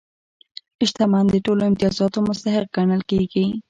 شتمن د ټولو امتیازاتو مستحق ګڼل کېږي.